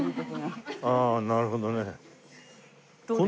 ああなるほどね。